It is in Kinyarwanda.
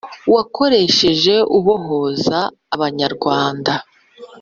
wakoresheje ubohoza abanyarwanda